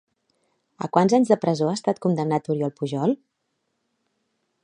A quants anys de presó ha estat condemnat Oriol Pujol?